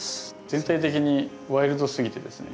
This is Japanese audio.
全体的にワイルドすぎてですね。